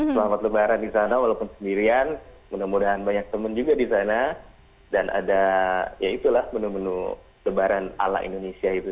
selamat lebaran di sana walaupun sendirian mudah mudahan banyak teman juga di sana dan ada ya itulah menu menu lebaran ala indonesia itu